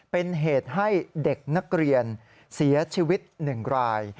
เป็นเหตุให้เด็กนักเรียนเสียชีวิต๑ราย